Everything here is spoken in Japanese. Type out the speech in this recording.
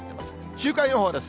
週間予報です。